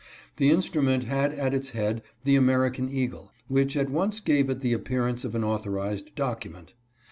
The instrument had at its head the American eagle, which at once gave it the appearance of an author ized document.